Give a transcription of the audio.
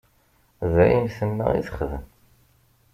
D ayen tenna i texdem.